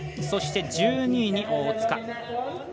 そして、１２位に大塚。